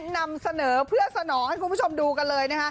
นำเสนอเพื่อสนองให้คุณผู้ชมดูกันเลย